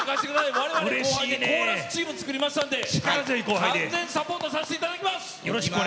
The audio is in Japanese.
我々後輩でコーラスチームを作りましたので完全サポートさせていただきます。